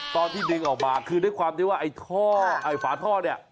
ตอนที่ดึงออกมาคือด้วยความที่ว่าฝาท่อนี่